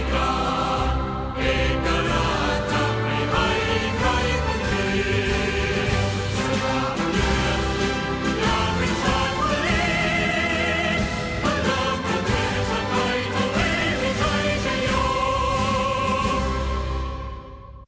พระราชก็แท้ชัดให้ทำให้ไม่ใช่ชะยุ่ง